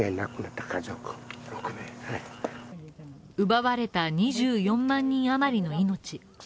奪われた２４万人余りの命。